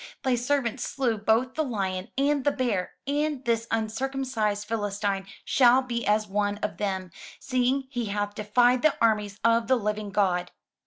Thy servant slew both the lion and the bear: and this uncircumcised Philistine shall be as one of them, seeing he hath defied the armies of the living God.